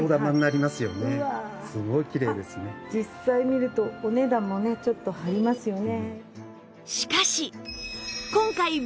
実際見るとお値段もねちょっと張りますよね。